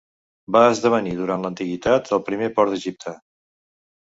Va esdevenir durant l'antiguitat el primer port d'Egipte.